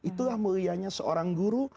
itulah mulianya seorang guru